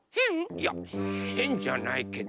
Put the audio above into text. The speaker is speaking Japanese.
いやへんじゃないけど。